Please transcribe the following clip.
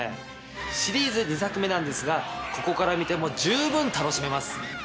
シリーズ２作目なんですがここから見ても十分楽しめます。